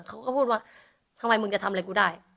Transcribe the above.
เขาก็พูดว่าทำไมมึงจะทำอะไรกูได้